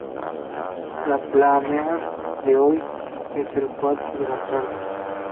La pleamar de hoy es a las cuatro de la tarde